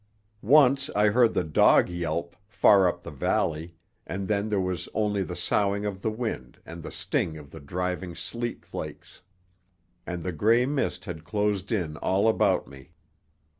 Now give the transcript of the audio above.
Once I heard the dog yelp, far up the valley, and then there was only the soughing of the wind and the sting of the driving sleet flakes. And the grey mist had closed in all about me.